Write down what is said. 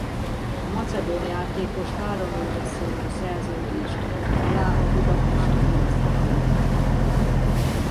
A macedón játékos három évre szóló szerződést írt alá a budapesti lila-fehérekkel.